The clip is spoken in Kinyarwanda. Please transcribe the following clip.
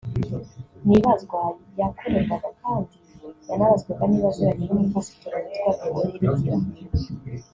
Mu ibazwa yakorerwaga kandi yanabazwaga niba aziranye n’umupasitoro witwa Deo Nyirigira